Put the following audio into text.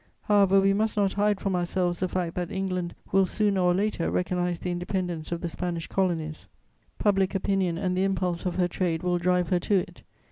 However, we must not hide from ourselves the fact that England will sooner or later recognise the independence of the Spanish Colonies; public opinion and the impulse of her trade will drive her to it.